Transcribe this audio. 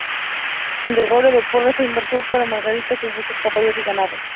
Gregorio de Porras se embarcó para Margarita en busca de caballos y ganado.